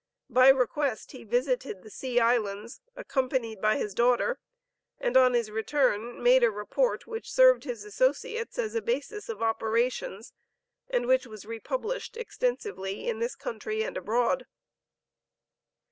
By request he visited the Sea Islands, accompanied by his daughter, and on his return made a report which served his associates as a basis of operations, and which was republished extensively in this country and abroad.